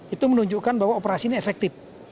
itu menunjukkan bahwa operasi ini efektif